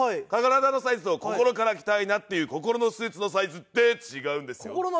体のサイズと心から着たいなって心のサイズって違うんですよ。